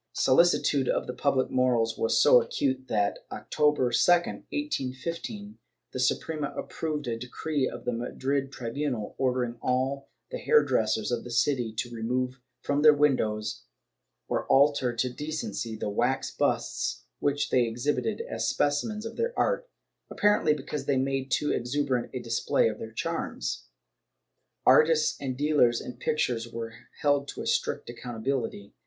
Solicitude for the public morals was so acute that, October 2, 1815, the Suprema approved a decree of the Madrid tribunal, ordering all the hairdressers of the city to remove from their windows, or alter to decency, the wax busts which they exhibited as specimens of their art — apparently because they made too exuberant a display of their charms. Artists and dealers in^ pictures were held to a strict accountability.